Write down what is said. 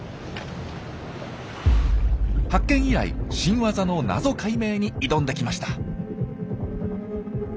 発見以来新ワザの謎解明に挑んできました。